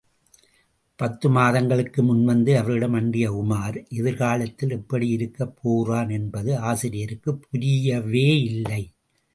பத்து மாதங்களுக்கு முன்வந்து அவரிடம் அண்டிய உமார் எதிர்காலத்தில் எப்படியிருக்கப் போகிறான் என்பது ஆசிரியருக்குப் புரியவேயில்லை.